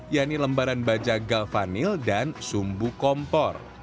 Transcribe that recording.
yaitu lembaran baja galvanil dan sumbu kompor